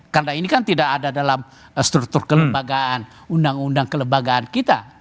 karena ini kan tidak ada dalam struktur kelembagaan undang undang kelembagaan kita